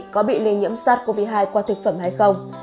có bị lây nhiễm sars cov hai qua thực phẩm hay không